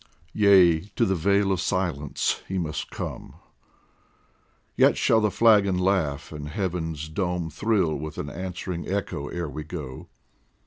Yea, to the Vale of Silence we must come ; Yet shall the flagon laugh and Heaven's dome Thrill with an answering echo ere we go